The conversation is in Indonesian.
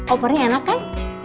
opornya enak kan